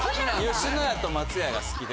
吉野家と松屋が好きで。